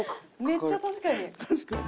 めっちゃ確かに。